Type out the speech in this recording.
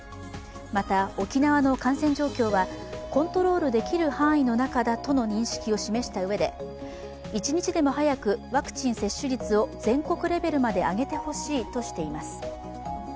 また、沖縄の感染状況はコントロールできる範囲の中だとの認識を示したうえで、一日でも早くワクチン接種率を全国レベルまで上げてほしいとしています。